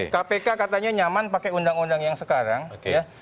kpk katanya nyaman pakai undang undang yang sekarang ya